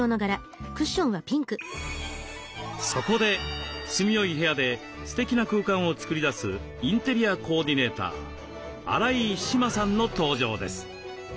そこで住みよい部屋でステキな空間を作り出すインテリアコーディネーター荒井詩万さんの登場です。